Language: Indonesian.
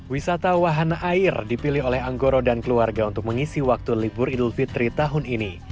wisata wahana air dipilih oleh anggoro dan keluarga untuk mengisi waktu libur idul fitri tahun ini